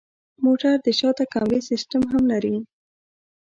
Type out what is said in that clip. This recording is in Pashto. موټر د شاته کمرې سیستم هم لري.